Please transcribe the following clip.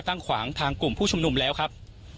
ตั้งขวางทางกลุ่มผู้ชุมนุมแล้วครับ